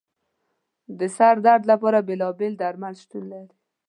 د سر درد لپاره بېلابېل درمل شتون لري.